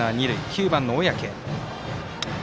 ９番の小宅。